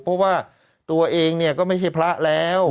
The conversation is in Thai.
เพราะว่าตัวเองเนี่ยก็ไม่ใช่พระแล้ว